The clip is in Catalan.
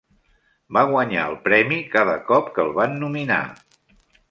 Va guanyar el Premi cada cop que el van nominar.